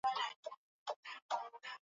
Mwaka elfumoja mia saba thelathini na mbili